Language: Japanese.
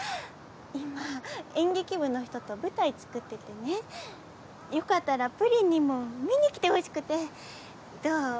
今演劇部の人と舞台作っててねよかったらぷりんにも見に来てほしくて。どう？